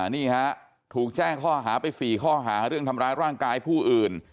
นี่ฮะถูกแจ้งข้อหาไป๔ข้อหาเรื่องทำร้ายร่างกายผู้อื่น